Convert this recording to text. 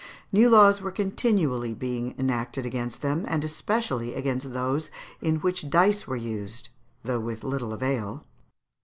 New laws were continually being enacted against them, and especially against those in which dice were used, though with little avail.